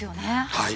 はい。